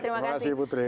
terima kasih putri